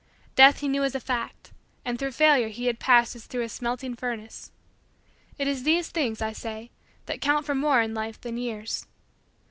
Death he knew as a fact and through Failure he had passed as through a smelting furnace. It is these things, I say, that count for more in life than years.